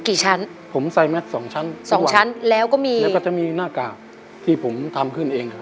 ชั้นผมใส่แม็กซ์สองชั้นสองชั้นแล้วก็มีแล้วก็จะมีหน้ากากที่ผมทำขึ้นเองครับ